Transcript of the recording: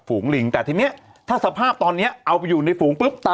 ลิงแต่ทีนี้ถ้าสภาพตอนนี้เอาไปอยู่ในฝูงปุ๊บตา